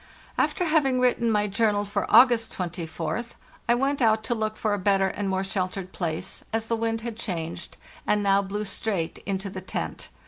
After having written my journal for August 24th I went out to look for a better and more sheltered place, as the wind had changed, and now blew straight into the tent.